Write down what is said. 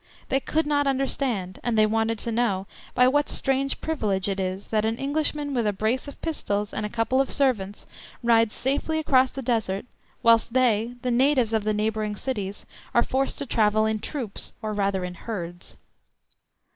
They could not understand, and they wanted to know, by what strange privilege it is that an Englishman with a brace of pistols and a couple of servants rides safely across the Desert, whilst they, the natives of the neighbouring cities, are forced to travel in troops, or rather in herds.